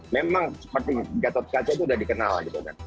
memang seperti gatot kaca itu udah dikenal gitu kan